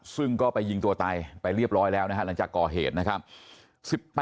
ซึ่งก็ไปยิงตัวตายไปเรียบร้อยแล้วนะฮะหลังจากก่อเหตุนะครับ